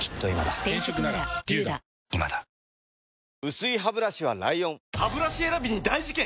薄いハブラシは ＬＩＯＮハブラシ選びに大事件！